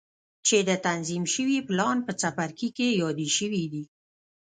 چې د تنظيم شوي پلان په څپرکي کې يادې شوې دي.